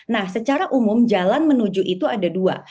nah secara umum jalan menuju itu ada dua